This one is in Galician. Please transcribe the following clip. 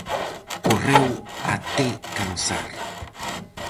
Correu até cansar.